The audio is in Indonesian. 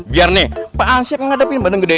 biar nih pak ancyp mengadepin benteng gede